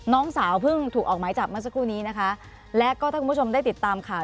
น้องสาวเพิ่งถูกออกหมายจับเมื่อสักครู่นี้นะคะและก็ถ้าคุณผู้ชมได้ติดตามข่าว